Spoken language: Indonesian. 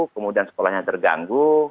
kemudian sekolahnya terganggu